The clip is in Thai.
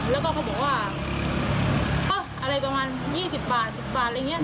แล้วก็เขาบอกว่าอะไรประมาณ๒๐บาท๑๐บาทอะไรอย่างนี้